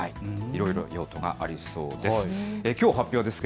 いろいろ用途がありそうです。